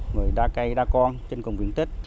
người đa cây đa con trên cùng viện tích